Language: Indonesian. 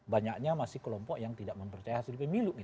banyaknya masih kelompok yang tidak mempercaya hasil pemilu